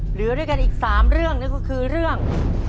เหลือด้วยกันอีก๓เรื่องนั่นก็คือเรื่อง